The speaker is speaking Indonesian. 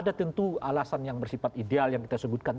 ada tentu alasan yang bersifat ideal yang kita sebutkan